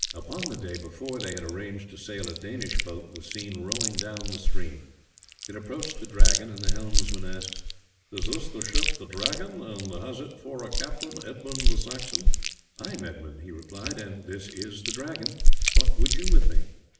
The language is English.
Upon the day before they had arranged to sail a Danish boat was seen rowing down the stream. It approached the Dragon and the helmsman asked: "Is this ship the Dragon? and has it for a captain Edmund the Saxon?" "I am Edmund," he replied, "and this is the Dragon. What would you with me?"